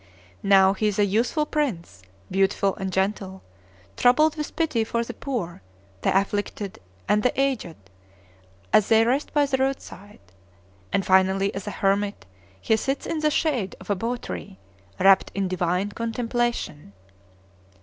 Now he is a youthful prince, beautiful and gentle, troubled with pity for the poor, the afflicted, and the aged, as they rest by the roadside. And finally, as a hermit, he sits in the shade of a boh tree, rapt in divine contemplation.